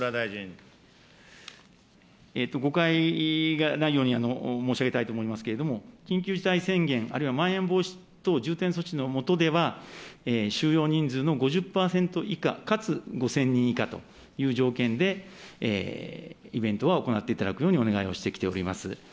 誤解がないように申し上げたいと思いますけれども、緊急事態宣言、あるいはまん延防止等重点措置のもとでは、収容人数の５０％以下、かつ５０００人以下という条件で、イベントは行っていただくようにお願いをしてきております。